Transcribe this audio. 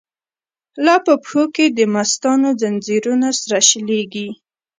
لاپه پښو کی دمستانو، ځنځیرونه سره شلیږی